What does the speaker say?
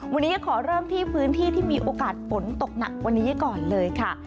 วันนี้ขอเริ่มที่พื้นที่ที่มีโอกาสฝนตกหนักวันนี้ก่อนเลยค่ะ